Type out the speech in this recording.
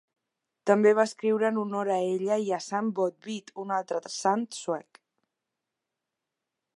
També va escriure en honor a ella i a Sant Botvid, un altre sant suec.